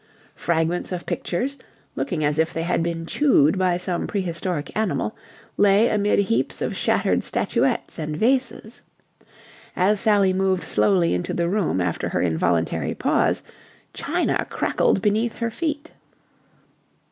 Fragments of pictures, looking as if they had been chewed by some prehistoric animal, lay amid heaps of shattered statuettes and vases. As Sally moved slowly into the room after her involuntary pause, china crackled beneath her feet.